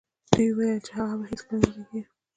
دوی ویل چې هغه به هېڅکله و نه غږېږي